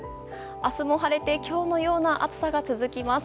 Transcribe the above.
明日も晴れて今日のような暑さが続きます。